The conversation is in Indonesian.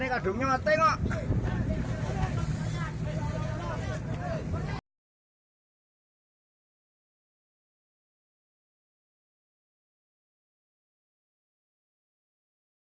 kau ini kadungnya mateng ah